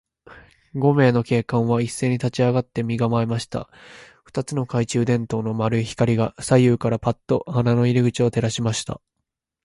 五名の警官はいっせいに立ちあがって、身がまえました。二つの懐中電燈の丸い光が、左右からパッと穴の入り口を照らしました。